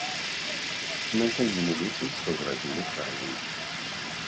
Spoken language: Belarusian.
На сёння мы лічым, што зрабілі правільна.